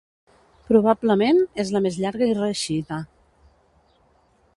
Probablement és la més llarga i reeixida.